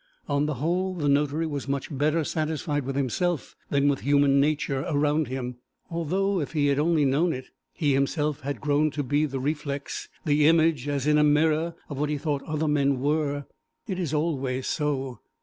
On the whole, the notary was much better satisfied with himself than with human nature around him, although, if he had only known it, he himself had grown to be the reflex the image as in a mirror of what he thought other men were; it is always so.